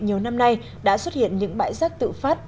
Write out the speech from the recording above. nhiều năm nay đã xuất hiện những bãi rác tự phát